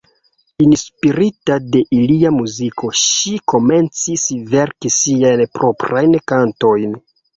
Inspirita de ilia muziko, ŝi komencis verki siajn proprajn kantojn.